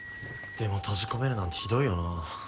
でも閉じ込めるなんてひどいよな。